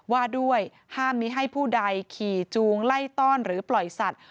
ว่าด้วยห้ามมีให้ผู้ใดขี่จูงไล่ต้อนหรือปล่อยสัตว์